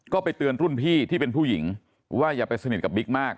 ก็ไปเตือนรุ่นพี่ที่เป็นผู้หญิงว่าอย่าไปสนิทกับบิ๊กมาก